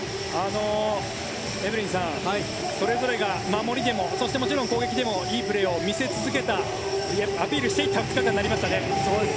エブリンさんそれぞれが守りでもそしてもちろん攻撃でもいいプレーを見せていったアピールしていった２日間になりましたね。